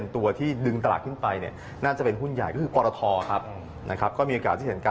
ตัวถัดไปเหรอครับพี่